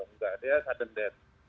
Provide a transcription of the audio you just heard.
enggak dia sudden death